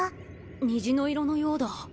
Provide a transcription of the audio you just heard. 虹の色のようだ。